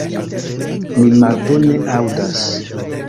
Mi malbone aŭdas.